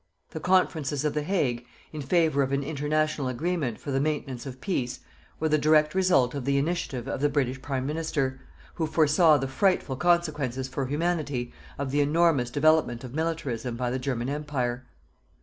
The conferences of The Hague in favour of an international agreement for the maintenance of peace were the direct result of the initiative of the British Prime Minister, who foresaw the frightful consequences for Humanity of the enormous development of militarism by the German Empire.